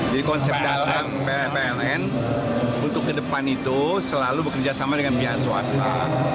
jadi konsep dasar pln untuk ke depan itu selalu bekerjasama dengan pihak swasta